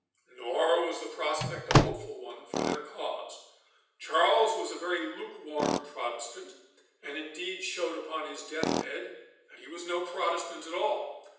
Nor was the prospect a hopeful one for their cause. Charles was a very lukewarm Protestant, and indeed showed upon his deathbed that he was no Protestant at all.